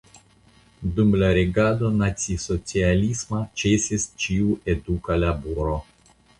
Dum la regado nacisocialisma ĉesis ĉiu eduka laboro.